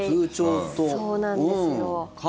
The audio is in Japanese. そうなんですよ。